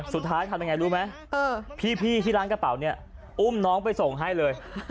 ทำยังไงรู้ไหมพี่ที่ร้านกระเป๋าเนี่ยอุ้มน้องไปส่งให้เลย